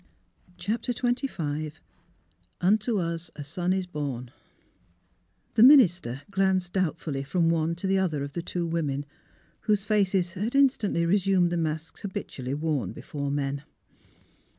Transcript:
CHAPTER XXV " UNTO US A SON IS BORN " The minister glanced doubtfully from one to the other of the two women, whose faces had instantly resumed the masks habitually worn before men.